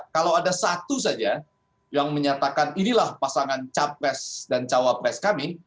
kalau ada satu saja yang menyatakan inilah pasangan capres dan cawapres kami